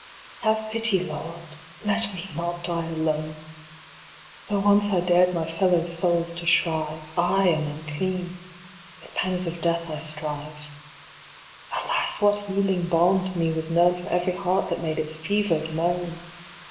Have pity, Lord ! Let me not die alone ! Though once I dared my fellow souls to shrive, / am unclean ; with pangs of death I strive. Alas, what healing balm to me was known For every heart that made its fevered moan